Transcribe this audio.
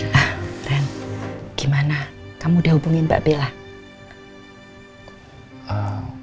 ren gimana kamu udah hubungin mbak bella